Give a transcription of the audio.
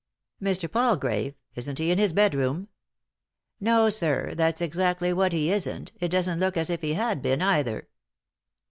" Mr. Palgrave ? Isn't he in his bedroom ?"" No, sir, that's exactly what he isn't ; it doesn't look as ii he had. been either."